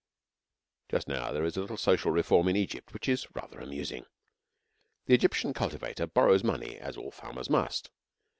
Just now there is a little social reform in Egypt which is rather amusing. The Egyptian cultivator borrows money; as all farmers must.